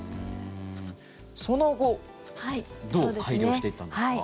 その後どう改良していったんですか？